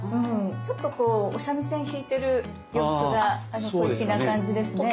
ちょっとこうお三味線弾いてる様子が小粋な感じですね。